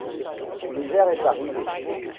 L'hiver est arrivé.